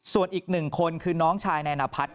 ส่วนอีกหนึ่งคนคือน้องชายนายนพัฒน์